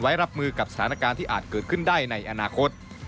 รับมือกับสถานการณ์ที่อาจเกิดขึ้นได้ในอนาคต